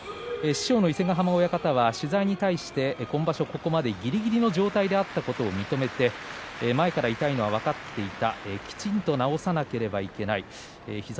師匠の伊勢ヶ濱親方は今場所ここまでぎりぎりの状態であったことを認めて前から痛いのは分かっていたきちんと治さなければいけない。